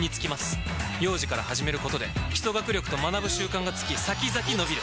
幼児から始めることで基礎学力と学ぶ習慣がつき先々のびる！